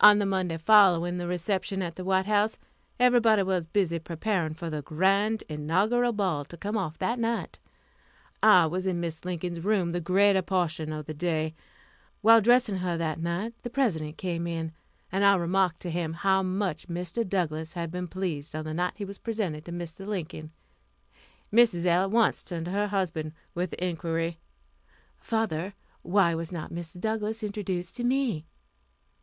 On the Monday following the reception at the White House, everybody was busy preparing for the grand inaugural ball to come off that night. I was in Mrs. Lincoln's room the greater portion of the day. While dressing her that night, the President came in, and I remarked to him how much Mr. Douglass had been pleased on the night he was presented to Mr. Lincoln. Mrs. L. at once turned to her husband with the inquiry, "Father, why was not Mr. Douglass introduced to me?"